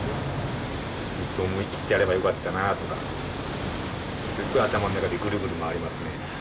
もっと思い切ってやればよかったなあとかすごい頭の中でぐるぐる回りますね。